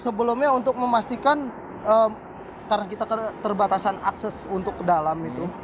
sebelumnya untuk memastikan karena kita keterbatasan akses untuk ke dalam itu